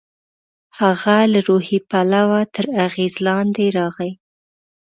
هغه له روحي پلوه تر اغېز لاندې راغی.